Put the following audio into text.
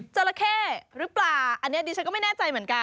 จราเข้หรือเปล่าอันนี้ดิฉันก็ไม่แน่ใจเหมือนกัน